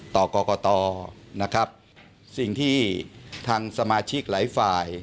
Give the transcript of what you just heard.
ต่อกรกตนะครับสิ่งที่ทางสมาชิกหลายฝ่าย